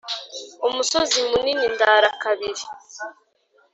Umusozi munini ndara kabiri.